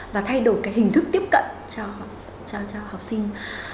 và thay đổi cái hình thức tiếp cận cho học sinh